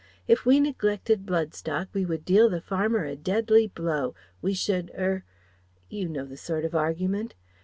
If we neglected blood stock we would deal the farmer a deadly blow, we should er You know the sort of argument?